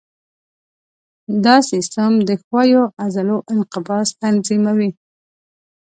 دا سیستم د ښویو عضلو انقباض تنظیموي.